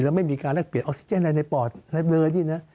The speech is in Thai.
แล้วไม่มีการลักเปลี่ยนออกซิเจนในปอดในเบอร์นี้นะ